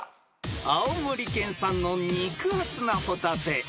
［青森県産の肉厚なホタテ］